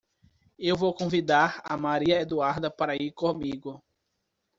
Eu vou convindar a Maria Eduarda para ir comigo.